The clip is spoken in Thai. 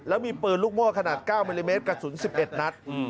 แล้วมีปืนลูกโม่ขนาด๙มิลลิเมตรกระสุน๑๑นัด